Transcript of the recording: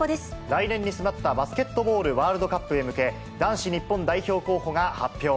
来年に迫ったバスケットボールワールドカップへ向け、男子日本代表候補が発表。